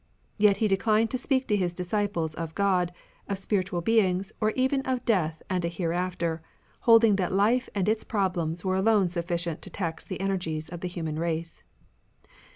Yet he declined to speak to his disciples of God, of spiritual beings or even of death and a hereafter, holding that life and its problems were alone sufficient to tax the energies of the human race.